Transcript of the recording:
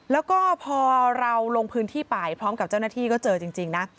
แล้วก็พอเราลงพื้นที่ไปพร้อมกับเจ้าหน้าที่ก็เจอจริงนะ